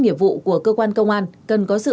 nghiệp vụ của cơ quan công an cần có sự